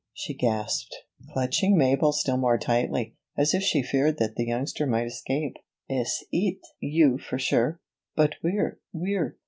she gasped, clutching Mabel still more tightly, as if she feared that the youngster might escape. "Ees eet you for sure? But w'ere, w'ere